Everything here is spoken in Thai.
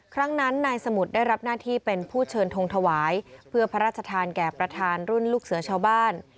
ครั้งนั้นนายสมุทรได้รับหน้าที่เป็นผู้เชิญทงถวายเพื่อพระราชทานแก่ประธานรุ่นลูกเสือชาวบ้าน